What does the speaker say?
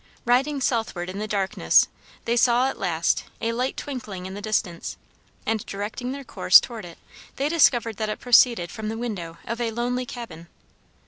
Riding southward in the darkness, they saw, at last, a light twinkling in the distance, and, directing their course toward it, they discovered that it proceeded from the window of a lonely cabin.